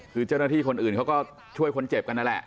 เศรษฐพคนอื่นเค้าก็ช่วยคนเจ็บนั่นแหละ